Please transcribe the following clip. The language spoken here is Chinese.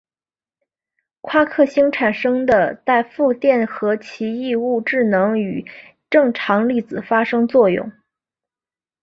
夸克星产生的带负电荷奇异物质能与正常粒子发生作用。